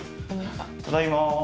ただいま。